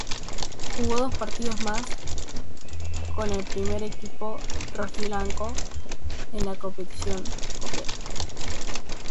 Jugó dos partidos más con el primer equipo rojiblanco en la competición copera.